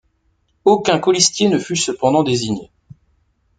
Aucun colistier ne fut cependant désigné.